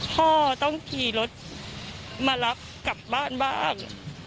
พ่อต้องขี่รถมารับกลับบ้านบ้าง